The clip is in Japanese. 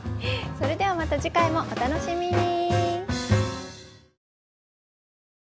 それではまた次回もお楽しみに。